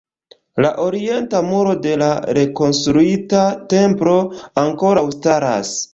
La Orienta Muro de la rekonstruita Templo ankoraŭ staras.